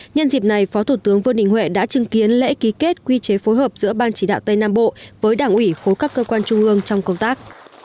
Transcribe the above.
nhân dịp này phó thủ tướng vương đình huệ đã chứng kiến lễ ký kết quy chế phối hợp giữa ban chỉ đạo tây nam bộ với đảng ủy khối các cơ quan trung ương trong công tác